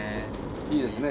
いいですね。